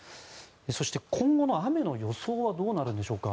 そして今後の雨の予想はどうなるんでしょうか。